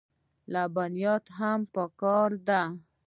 لبنیات هم پکار دي.